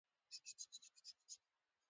احمد او علي ځمکه عادلانه وویشله.